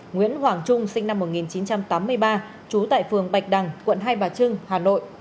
nguyễn hoàng trung sinh năm một nghìn chín trăm tám mươi ba trú tại phường bạch đằng quận hai bà trưng hà nội